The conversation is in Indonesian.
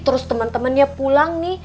terus temen temennya pulang nih